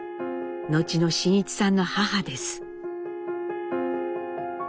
後の真一さんの母です。